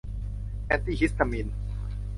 แอนตี้ฮิสตามีน